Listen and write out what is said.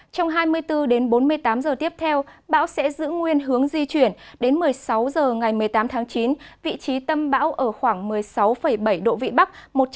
trong hai mươi bốn đến bốn mươi tám giờ tiếp theo bão sẽ giữ nguyên hướng di chuyển đến một mươi sáu h ngày một mươi tám tháng chín vị trí tâm bão ở khoảng một mươi sáu bảy độ vị bắc